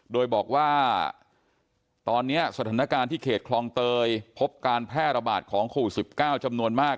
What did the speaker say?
โดยบอกว่าตอนนี้สถานการณ์ที่เขตคลองเตยพบการแพร่ระบาดของโควิด๑๙จำนวนมาก